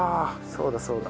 そうだそうだ。